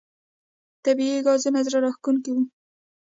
طبیعي ګلونه زړه راښکونکي وي.